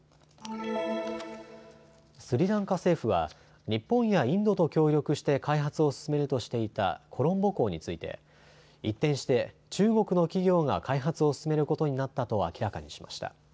スリランカ政府は日本やインドと協力して開発を進めるとしていたコロンボ港について一転して中国の企業が開発を進めることになったと明らかにしました。